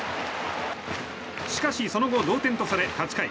しかし、その後同点とされ８回。